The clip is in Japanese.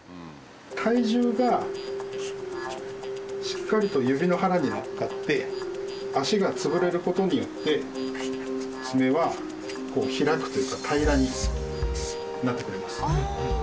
体重がしっかりと指の腹に乗っかって足が潰れることによってツメはこう開くというか平らになってくれます。